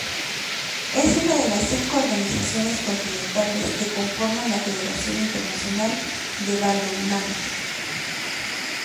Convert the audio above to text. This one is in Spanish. Es una de las cinco organizaciones continentales que conforman la Federación Internacional de Balonmano.